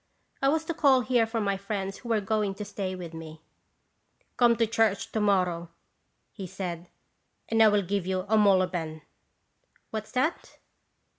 I was to call here for my friends who were going to stay with me. " Come to the church, to morrow," he said, "and I will give you a motiben. "What is that?"